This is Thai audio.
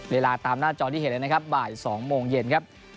เวลาตามหน้าจอที่เห็นเลยนะครับบ่าย๒โมงเย็นครับ